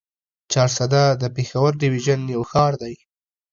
چارسده د پېښور ډويژن يو ښار دی.